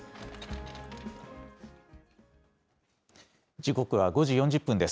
時刻は５時４０分です。